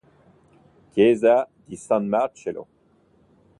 Chiesa di San Marcello